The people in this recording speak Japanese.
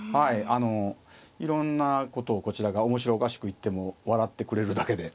あのいろんなことをこちらが面白おかしく言っても笑ってくれるだけで。